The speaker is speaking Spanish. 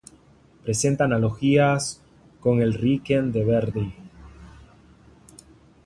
Presenta analogías con el Requiem de Verdi.